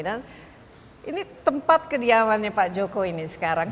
dan ini tempat kediamannya pak jokowi ini sekarang